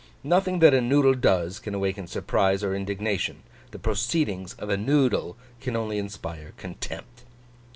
Nothing that a Noodle does, can awaken surprise or indignation; the proceedings of a Noodle can only inspire contempt.